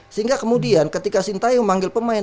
sehingga kemudian ketika sintayong manggil pemain